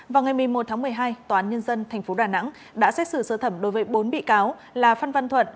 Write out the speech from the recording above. vào ngày một mươi một tháng một mươi hai tòa án nhân dân tp đà nẵng đã xét xử sơ thẩm đối với bốn bị cáo là phan văn thuận